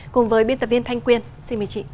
cùng với biên tập viên thanh quyên xin mời chị